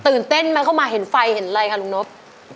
เต้นไหมเข้ามาเห็นไฟเห็นอะไรค่ะลุงนบ